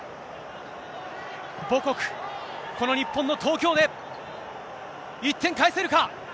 母国、この日本の東京で、１点返せるか。